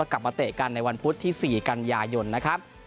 กลับมาเตะกันในวันพุธที่๔กันยายนนะครับ